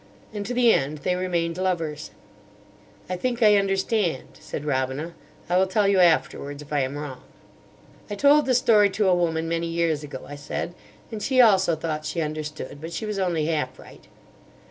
And to the end they remained lovers." "I think I understand," said Robina. "I will tell you afterwards if I am wrong." "I told the story to a woman many years ago," I said, "and she also thought she understood. But she was only half right."